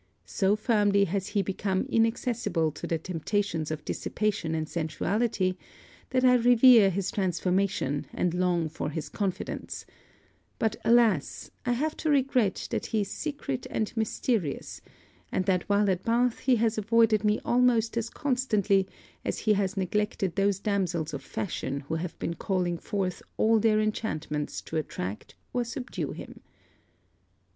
So firmly has he become inaccessible to the temptations of dissipation and sensuality, that I revere his transformation and long for his confidence; but alas, I have to regret that he is secret and mysterious, and that while at Bath he has avoided me almost as constantly as he has neglected those damsels of fashion who have been calling forth all their enchantments to attract or subdue him.